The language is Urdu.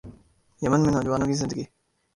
یمن میں نوجوانوں کی زندگی